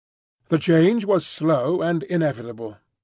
The change was slow and inevitable.